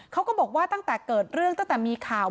เขาก็บอกว่าตั้งแต่เกิดเรื่องตั้งแต่มีข่าว